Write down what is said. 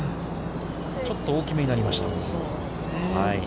ちょっと大きめになりました。